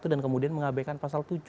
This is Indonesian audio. dan kemudian mengabaikan pasal tujuh